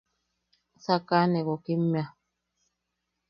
Sakaʼane gokimmea.